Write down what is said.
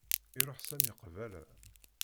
Iṛuḥ Sami qbala.